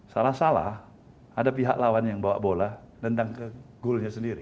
salah salah ada pihak lawan yang bawa bola dendam ke golnya sendiri